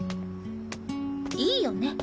いいよね？